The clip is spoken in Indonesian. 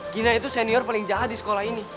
gina itu senior paling jahat di sekolah ini